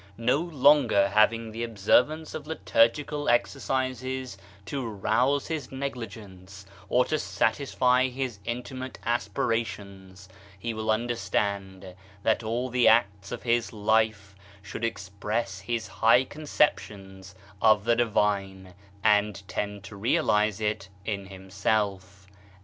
No longer having the observance of liturgical ex ercises to rouse his negligence, or to satisfy his intimate aspirations, he will understand that all the acts of his life should express his high conceptions of the divine and tend to realise it in himself.